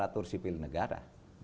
yang diatur sipil negara